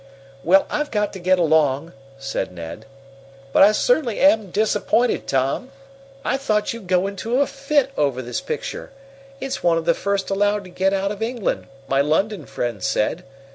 "Well, I've got to get along," said Ned. "But I certainly am disappointed, Tom. I thought you'd go into a fit over this picture it's one of the first allowed to get out of England, my London friend said.